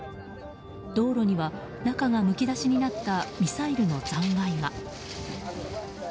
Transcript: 道路には、中がむき出しになったミサイルの残骸が。